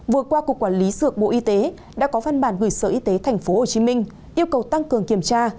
vừa qua cục quản lý dược bộ y tế đã có phân bản gửi sở y tế tp hcm yêu cầu tăng cường kiểm tra